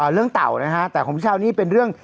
เรื่องเต่านะฮะแต่ของพี่ชาวนี้เป็นเรื่อง